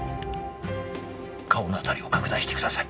顔のあたりを拡大してください。